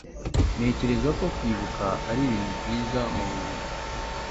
ntekereza ko kwibuka ari ibintu byiza mu buzima